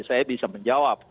saya bisa menjawab